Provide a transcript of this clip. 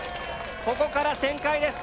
ここから旋回です。